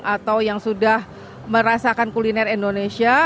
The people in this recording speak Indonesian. atau yang sudah merasakan kuliner indonesia